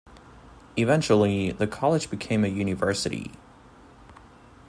Eventually, the college became a university.